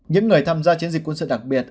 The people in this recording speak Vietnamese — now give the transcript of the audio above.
những người tham gia chiến dịch quân sự đặc biệt